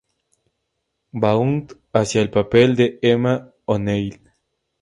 Vaughn hacía el papel de "Emma O'Neil".